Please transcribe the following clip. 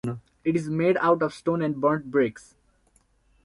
It is made out of stone and burnt bricks.